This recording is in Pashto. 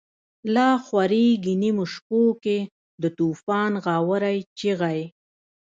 لاخوریږی نیمو شپو کی، دتوفان غاوری چیغی